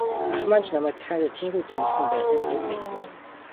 Ах маань ч намайг захиандаа тийнхүү зэмлэсэн байсан нь зөв байсан юм.